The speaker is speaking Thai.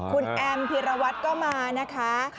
คุณแอมพิรวัตรก็มานะคะ